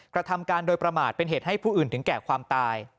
กระทำการโดยประมาทเป็นเหตุให้ผู้อื่นถึงแก่ความตาย